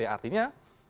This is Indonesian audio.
di setiap pt artinya